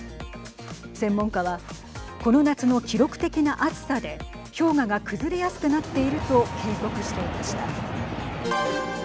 専門家はこの夏の記録的な暑さで氷河が崩れやすくなっていると警告していました。